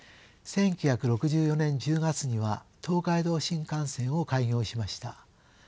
１９６４年１０月には東海道新幹線を開業しました。